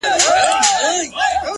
كه بې وفا سوې گراني ،